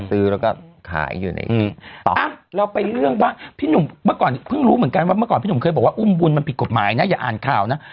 พี่หนุ่มเมื่อก่อนเพิ่งรู้เหมือนกันว่าเมื่อก่อนพี่หนุ่มเคยบอกว่าอุ้มบุญมันผิดกฎหมายนะอย่าอ่านข่าวนะ